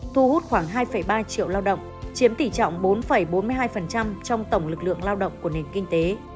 thu hút khoảng hai ba triệu lao động chiếm tỷ trọng bốn bốn mươi hai trong tổng lực lượng lao động của nền kinh tế